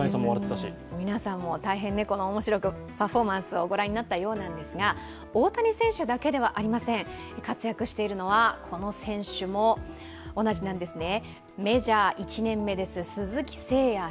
皆さんも大変面白く、パフォーマンスを御覧になったようですが、大谷選手だけではありません、活躍してるのは、この選手も同じなんですね。